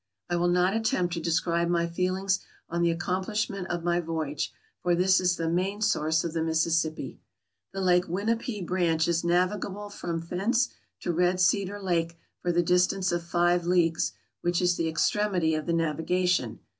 I will not attempt to describe my feelings on the accomplishment of my voyage, for this is the main source of the Mississippi. The Lake Winipie branch is navigable from thence to Red Cedar Lake for the distance of five leagues, which is the extremity of the navigation.